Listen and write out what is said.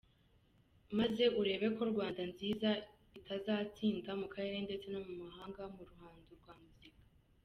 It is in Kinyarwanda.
Maze urebe ko Rwanda nzinza itazatsinda mu karere ndetse no mumahanga muruhando rwa muzika.